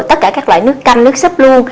tất cả các loại nước canh nước súp luôn